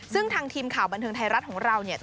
ซึ่งทางทีมข่าวบันเทิงไทยรัฐของเราเนี่ย